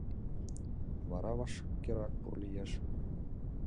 Вара вашкерак пурлиеш.